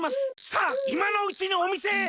『さあいまのうちにおみせへ！』